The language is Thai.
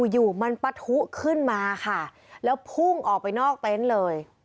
อยู่มันปะทุขึ้นมาค่ะแล้วพุ่งออกไปนอกเต็นต์เลย